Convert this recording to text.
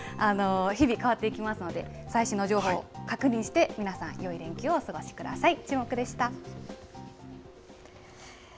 日々、変わっていきますので、最新の情報を確認して、皆さん、よい連休をお過ごしください。